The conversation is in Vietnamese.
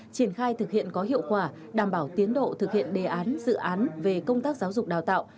triển khai thực hiện có hiệu quả đảm bảo tiến độ thực hiện đề án dự án về công tác giáo dục đào tạo